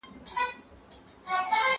دا کالي له هغه پاک دي